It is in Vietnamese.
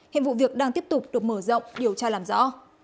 hiện vụ việc đang tiếp tục được mở rộng điều tra làm rõ